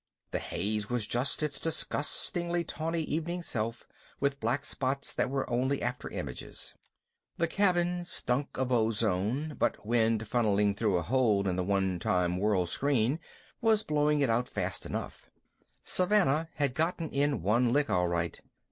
The haze was just its disgustingly tawny evening self with black spots that were only after images. The cabin stunk of ozone, but wind funneling through a hole in the one time World Screen was blowing it out fast enough Savannah had gotten in one lick, all right.